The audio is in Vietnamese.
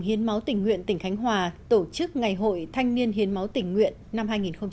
hiến máu tỉnh nguyện tỉnh khánh hòa tổ chức ngày hội thanh niên hiến máu tỉnh nguyện năm hai nghìn một mươi chín